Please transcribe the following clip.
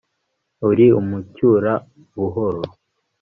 uri umucyura-buhoro